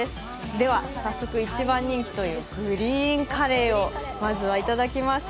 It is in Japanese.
では早速、一番人気というグリーンカレーをまずはいただきます。